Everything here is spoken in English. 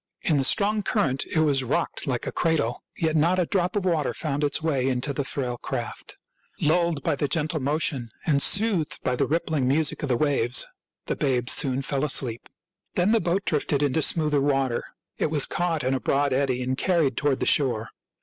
In the strong cur rent it was rocked like a cradle, yet not a drop of water found its way into the frail craft. Lulled by the gentle motion and soothed by the rippling music of the waves, the babes soon fell asleep. Then the boat drifted into smoother water. It was caught in a broad eddy and carried toward the shore.